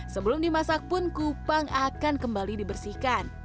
sebelum dimasak pun kupang akan kembali dibersihkan